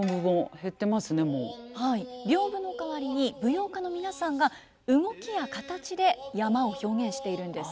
はい屏風の代わりに舞踊家の皆さんが動きや形で山を表現しているんです。